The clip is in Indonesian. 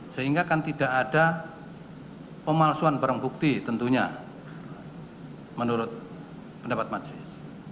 sehingga kan tidak ada pemalsuan barang bukti tentunya menurut pendapat majelis